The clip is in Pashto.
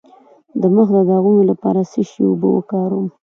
د مخ د داغونو لپاره د څه شي اوبه وکاروم؟